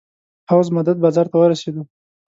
حوض مدد بازار ته ورسېدو.